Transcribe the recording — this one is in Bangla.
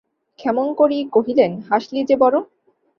ক্ষেমংকরী কহিলেন, হাসলি যে বড়ো!